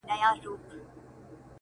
ليلا مجنون!!